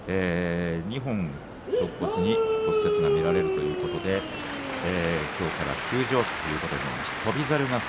２本、ろっ骨に骨折が見られるということできょうから休場ということになりました。